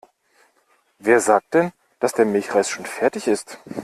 Wer sagt denn, dass der Milchreis schon fertig ist?